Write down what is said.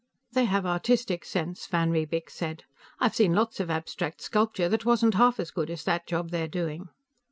"They have artistic sense," Van Riebeek said. "I've seen lots of abstract sculpture that wasn't half as good as that job they're doing."